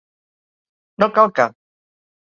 No cal que.